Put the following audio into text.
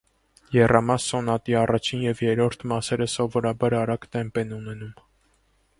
Եռամաս սոնատի առաջին և երրորդ մասերը սովորաբար արագ տեմպ են ունենում։